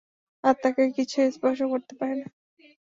আত্মাকে কিছুই স্পর্শ করতে পারে না।